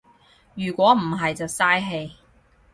如果唔係就嘥氣